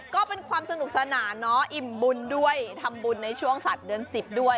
ก็เป็นความสนุกสนานเนาะอิ่มบุญด้วยทำบุญในช่วงสัตว์เดือน๑๐ด้วย